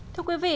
thưa quý vị